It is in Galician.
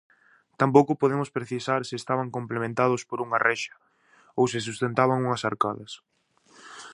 Tampouco podemos precisar se estaban complementados por unha reixa ou se sustentaban unhas arcadas.